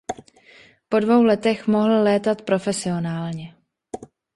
Po dvou letech mohl létat profesionálně.